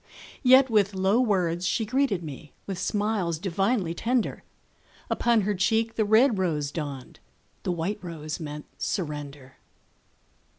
Yet with low words she greeted me, With smiles divinely tender; Upon her cheek the red rose dawned, The white rose meant surrender.